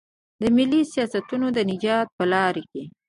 د ملي سیاستونو د نجات په لار کې.